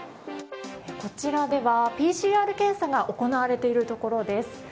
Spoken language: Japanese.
こちらではＰＣＲ検査が行われているところです。